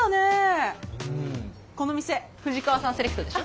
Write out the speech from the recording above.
この店藤川さんセレクトでしょ？